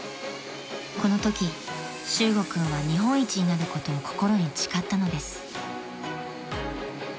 ［このとき修悟君は日本一になることを心に誓ったのです］